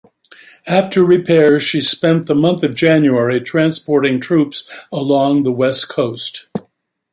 After repairs, she spent the month of January transporting troops along the west coast.